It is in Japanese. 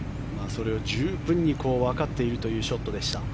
それを十分にわかっているショットでした。